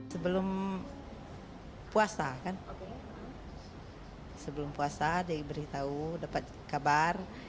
sebelum puasa kan sebelum puasa dia diberitahu dapat kabar